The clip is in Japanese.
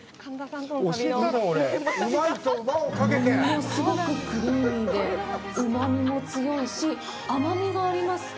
物すごくクリーミーでうまみも強いし甘みがあります。